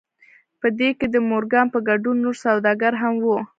په دې کې د مورګان په ګډون نور سوداګر هم وو